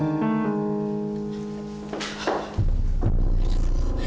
jadi dia paling tahu teh kesukaan oma